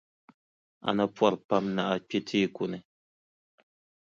A na pɔri pam ni a kpe teeku ni.